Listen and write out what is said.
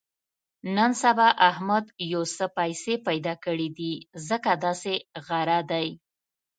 نن سبا احمد یو څه پیسې پیدا کړې دي، ځکه داسې غره دی.